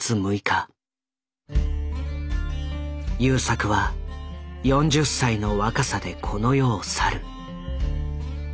優作は４０歳の若さでこの世を去る。